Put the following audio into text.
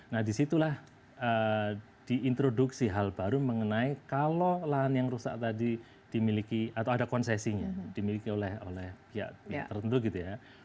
nah disitulah diintroduksi hal baru mengenai kalau lahan yang rusak tadi dimiliki atau ada konsesinya dimiliki oleh pihak tertentu gitu ya